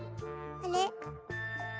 あれ？